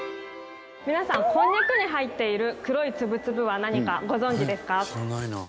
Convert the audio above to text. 皆さんこんにゃくに入っている黒いツブツブは何かご存じですか？